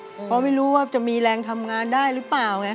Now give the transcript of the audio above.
เพราะไม่รู้ว่าจะมีแรงทำงานได้หรือเปล่าไง